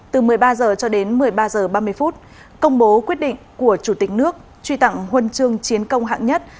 từ một mươi ba h cho đến một mươi ba h ba mươi công bố quyết định của chủ tịch nước truy tặng huân chương chiến công hạng nhất